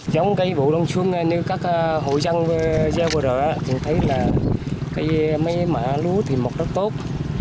giống cái vụ đông xuân như các hội dân gieo vừa rồi thì thấy là mấy mả lũ thì mọc rất tốt